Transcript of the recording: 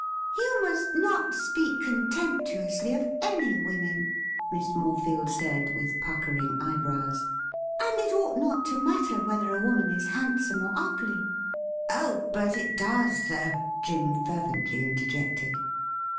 ' You must not speak contemptuously of any women,' Miss Morefield said, with puckering eyebrows. ' And it ought not to matter whether a woman is handsome or ugly —'' Oh, but it does, though,' Jim fervently interjected.